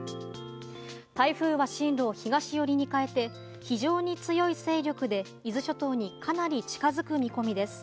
台風は進路を東寄りに変えて非常に強い勢力で伊豆諸島にかなり近づく見込みです。